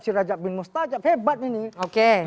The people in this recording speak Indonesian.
si rajab bin mustajab hebat ini oke